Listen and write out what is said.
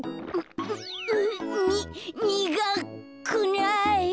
ににがくない。